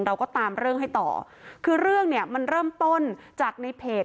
เราก็ตามเรื่องให้ต่อคือเรื่องเนี่ยมันเริ่มต้นจากในเพจ